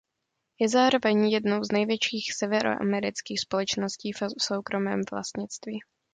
Je zároveň jednou z největších severoamerických společností v soukromém vlastnictví.